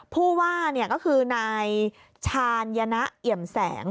ผู้ว่าก็คือนายชาญยนะเอี่ยมแสง